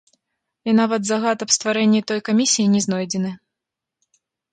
І нават загад аб стварэнні той камісіі не знойдзены.